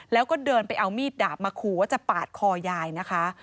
แล้วก็เดินไปเอามีดดาบมาขู่ว่าจะปาดคอยายนะคะ